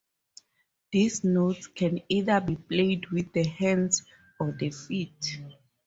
These notes can either be played with the hands or the feet.